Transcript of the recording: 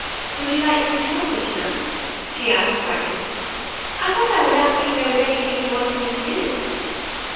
"Would you like me to help you tonight?" she asked brightly. "I thought I would ask if there was anything you wanted me to do."